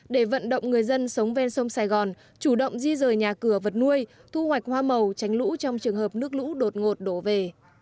để vận động người dân sống ven sông sài gòn chủ động di rời nhà cửa vật nuôi thu hoạch hoa màu tránh lũ trong trường hợp nước lũ đột ngột đổ về